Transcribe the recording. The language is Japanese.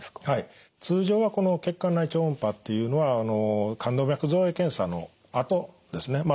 はい通常はこの血管内超音波っていうのは冠動脈造影検査のあとですね。